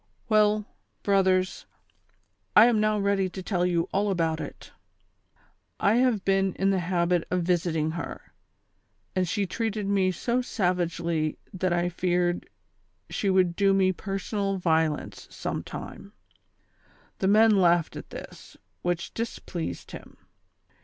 " Well, brothers, I am now ready to tell you all about it. I have been in the habit of visiting her, and she treated me so savagely that I feared slie would do me personal violence sometime "— the men laughed at this, whicli dis pleased him.